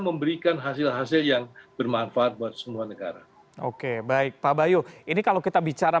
memberikan hasil hasil yang bermanfaat buat semua negara oke baik pak bayu ini kalau kita bicara